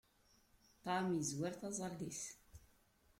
Ṭṭɛam yezwar taẓẓalit.